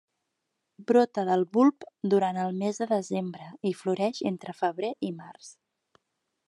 Brota del bulb durant el mes de desembre i floreix entre febrer i març.